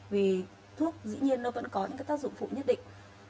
vì thuốc dĩ nhiên nó vẫn có những cái tác dụng phụ nhất định